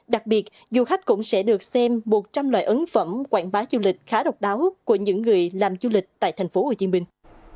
đặc biệt du khách cũng sẽ được xem một trăm linh loại ấn phẩm quảng bá du lịch khá độc đáo của những người làm du lịch tại thành phố hồ chí minh